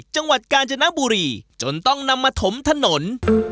จังหวัดกาญจนบุรีจนต้องนำมาถมถนน